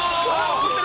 怒ってる！